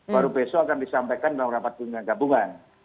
baru besok akan disampaikan dengan rapat guna gabungan